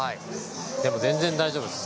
でも全然大丈夫です。